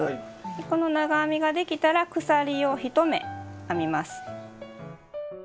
この長編みができたら鎖を１目編みます。